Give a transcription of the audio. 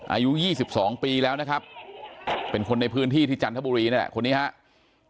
อายุ๒๒ปีแล้วนะครับเป็นคนในพื้นที่ที่จันทบุรีนี่แหละคนนี้ครับ